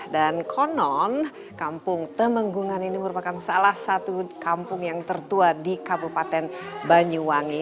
dan konon kampung temenggungan ini merupakan salah satu kampung yang tertua di kabupaten banyuwangi